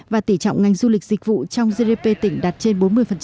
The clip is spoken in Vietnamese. và tỉ trọng ngành du lịch dịch vụ trong gdp tỉnh đạt trên bốn mươi